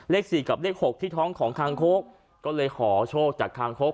สี่กับเลข๖ที่ท้องของคางคกก็เลยขอโชคจากคางคก